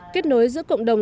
kết nối giữa cộng đồng